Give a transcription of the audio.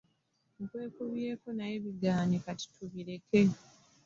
Nkwekubyeko naye bigaanyi kati tubireke.